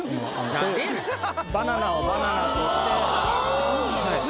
バナナをバナナとして。